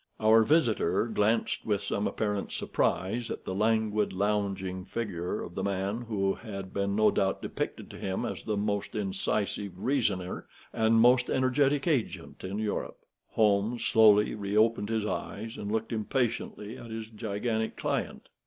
Our visitor glanced with some apparent surprise at the languid, lounging figure of the man who had been, no doubt, depicted to him as the most incisive reasoner and most energetic agent in Europe. Holmes slowly reopened his eyes and looked impatiently at his gigantic client.